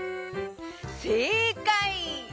せいかい！